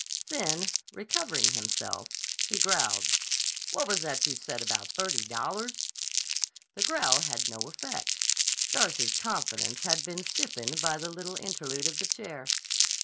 Then, recovering himself, he growled: "What was that you said about thirty dollars?" The growl had no effect. Darcy's confidence had been stiffened by the little interlude of the chair.